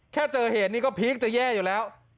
แค่เจอเหตุนี้ก็พีคจะแย่อยู่แล้ว